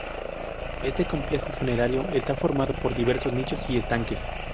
Este complejo funerario está formado por diversos nichos y estanques.